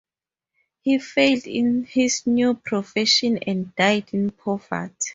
He failed in his new profession and died in poverty.